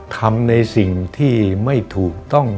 ทำในสิ่งที่ไม่ถูกต้อง